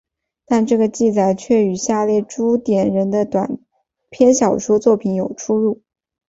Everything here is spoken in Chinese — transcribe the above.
但这个记载却与下列朱点人的短篇小说作品有出入。